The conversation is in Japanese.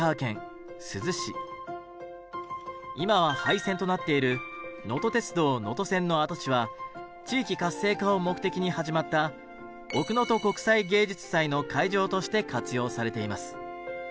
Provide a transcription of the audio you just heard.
今は廃線となっているのと鉄道能登線の跡地は地域活性化を目的に始まった奥能登国際芸術祭の会場として活用されています。